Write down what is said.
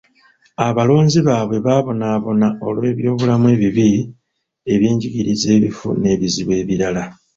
Abalonzi baabwe babonaabona olw’ebyobulamu ebibi, ebyenjigiriza ebifu n’ebizibu ebirala.